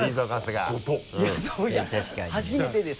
いや初めてです